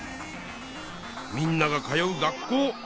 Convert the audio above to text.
みんなが通う学校。